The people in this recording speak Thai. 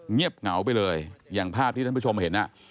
เงียบเหงาไปเลยอย่างภาพที่ท่านผู้ชมเห็น